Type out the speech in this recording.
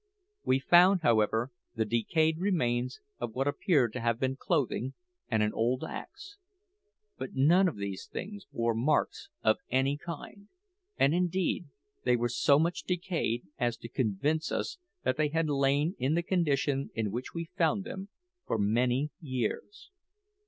We found, however, the decayed remnants of what appeared to have been clothing, and an old axe. But none of these things bore marks of any kind, and indeed they were so much decayed as to convince us that they had lain in the condition in which we found them for many years.